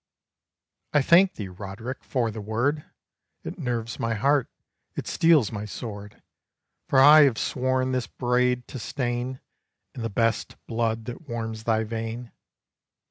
"I thank thee, Roderick, for the word! It nerves my heart, it steels my sword; For I have sworn this braid to stain In the best blood that warms thy vein.